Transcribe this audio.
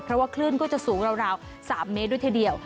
เพราะว่าคลื่นก็จะสูงราว๓เมตรด้วยทีเดียว